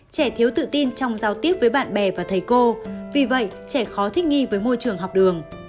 trẻ thiếu tự tin trong giao tiếp với bạn bè và thầy cô vì vậy trẻ khó thích nghi với môi trường học đường